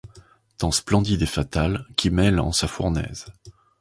Temps splendide et fatal, qui mêle en sa fournaise